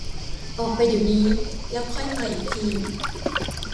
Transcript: ออกไปเดี๋ยวนี้แล้วค่อยมาอีกที